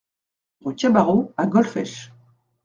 Rue Cabarrot à Golfech